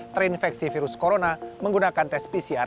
terinfeksi virus corona menggunakan tes pcr